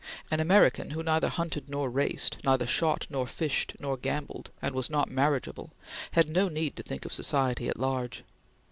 An American who neither hunted nor raced, neither shot nor fished nor gambled, and was not marriageable, had no need to think of society at large.